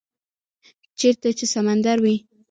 - چیرته چې سمندر وی،